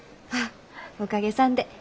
あっおかげさんで。